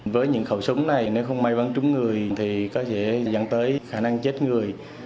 với những khẩu súng này nếu không may mắn trúng người thì có thể dẫn tới khả năng chết người